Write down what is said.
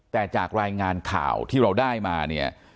แต่จากรายงานข่าวที่เราได้มาเนี่ย